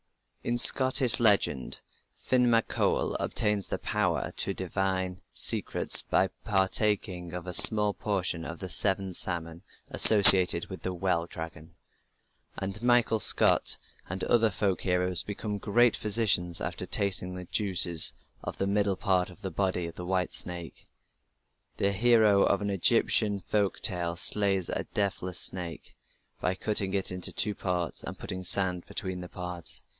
In Scottish legend Finn mac Coul obtains the power to divine secrets by partaking of a small portion of the seventh salmon associated with the "well dragon", and Michael Scott and other folk heroes become great physicians after tasting the juices of the middle part of the body of the white snake. The hero of an Egyptian folk tale slays a "deathless snake" by cutting it in two parts and putting sand between the parts.